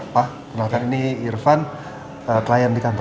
pak belakang ini irfan klien di kantor